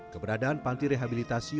keberadaan panti rehabilitasi